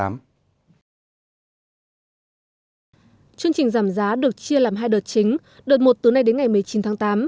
chương trình giảm giá được chia làm hai đợt chính đợt một từ nay đến ngày một mươi chín tháng tám